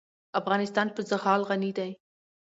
افغانستان په زغال غني دی.